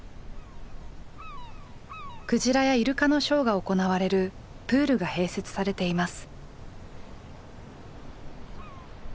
クジラやイルカのショーが行われるプールが併設されています。